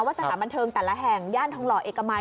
สถานบันเทิงแต่ละแห่งย่านทองหล่อเอกมัย